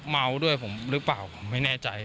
เมาด้วยผมหรือเปล่าผมไม่แน่ใจ